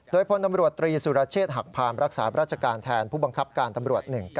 โดยพลตำรวจตรีสุรเชษฐหักพามรักษาราชการแทนผู้บังคับการตำรวจ๑๙